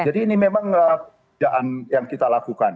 jadi ini memang yang kita lakukan